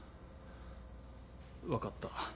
分かった。